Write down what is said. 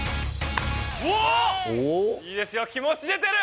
いいですよ、気持ち出てる。